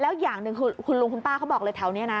แล้วอย่างหนึ่งคือคุณลุงคุณป้าเขาบอกเลยแถวนี้นะ